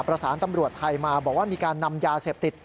ประสานตำรวจไทยมาบอกว่ามีการนำยาเสพติด